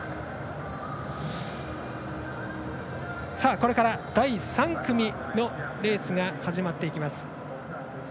これから第３組のレースが始まっていきます。